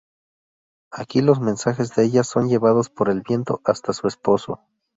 Aquí los mensajes de ella son llevados por el viento hasta su esposo.